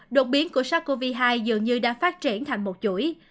đột biến của sars cov hai dường như đã phát triển thành một chuỗi